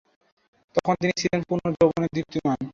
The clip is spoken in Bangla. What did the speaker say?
তখন তিনি ছিলেন পূর্ণ যৌবনে দীপ্তিমান।